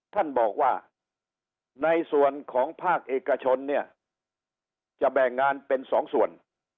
ท่านบอกว่าในส่วนของภาคเอกชนเนี่ยจะแบ่งงานเป็นสองส่วน